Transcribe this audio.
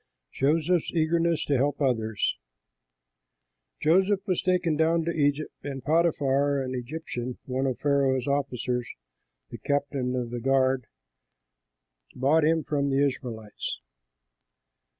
JOSEPH'S EAGERNESS TO HELP OTHERS Joseph was taken down to Egypt, and Potiphar, an Egyptian, one of Pharaoh's officers, the captain of the guard, bought him from the Ishmaelites.